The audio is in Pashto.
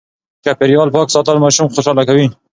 چاپېريال پاک ساتل ماشوم خوشاله کوي.